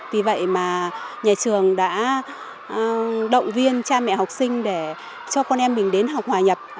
vì vậy mà nhà trường đã động viên cha mẹ học sinh để cho con em mình đến học hòa nhập